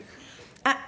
あっ！